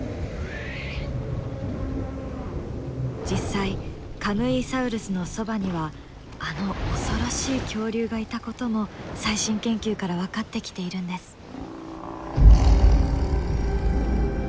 実際カムイサウルスのそばにはあの恐ろしい恐竜がいたことも最新研究から分かってきているんです。